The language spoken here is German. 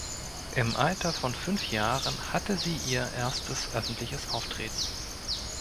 Im Alter von fünf Jahren hatte sie ihr erstes öffentliches Auftreten.